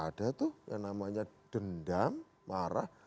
ada tuh yang namanya dendam marah